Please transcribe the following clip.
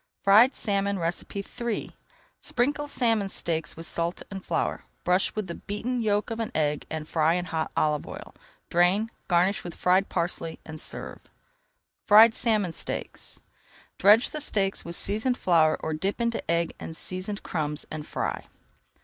FRIED SALMON III Sprinkle salmon steaks with salt and flour, brush with the beaten yolk of an egg and fry in hot olive oil. Drain, garnish with fried parsley, and serve. FRIED SALMON STEAKS Dredge the steaks with seasoned flour or dip into egg and seasoned crumbs and fry.